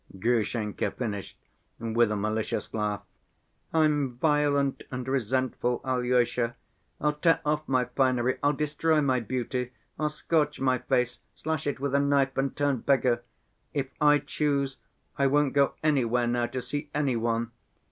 Grushenka finished with a malicious laugh. "I'm violent and resentful, Alyosha, I'll tear off my finery, I'll destroy my beauty, I'll scorch my face, slash it with a knife, and turn beggar. If I choose, I won't go anywhere now to see any one.